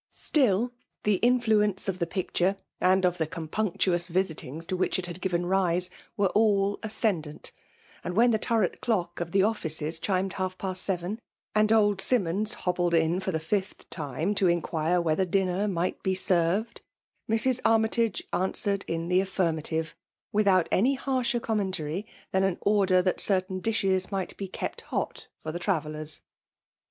Still, the influ ence of the picture, and of the compunctious visitings to which it had given rise, were all ascendant ; and when the turret clock of the offices chimed half ^past seven, and old Sim mons hobbled in for the fifth time to inquire whether dinner might be served, Mrs. Army age answered in the affirmative, witfiout any harsher commentary than an order that cer tain dishes might be kept hot for the travel lers.